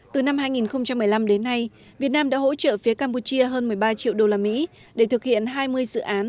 từ năm hai nghìn một mươi năm đến nay việt nam đã hỗ trợ phía campuchia hơn một mươi ba triệu usd để thực hiện hai mươi dự án